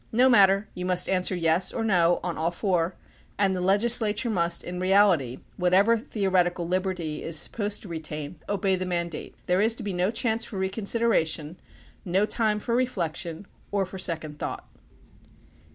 No matter; you must answer "yes" or "no" on all four, and the legislature must in reality, whatever theoret ical liberty it is supposed to retain, obey the mandate. There is to be no chance for reconsideration, no time for reflection or for second thought.